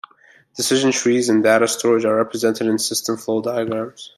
Decision trees and data storage are represented in system flow diagrams.